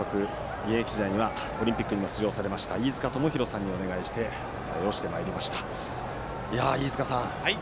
現役時代にはオリンピックにも出場されました飯塚智広さんにお願いしてお伝えをしてまいりました。